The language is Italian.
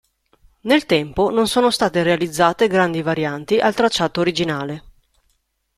Nel tempo non sono state realizzate grandi varianti al tracciato originale.